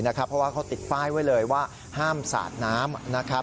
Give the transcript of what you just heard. เพราะว่าเขาติดป้ายไว้เลยว่าห้ามสาดน้ำ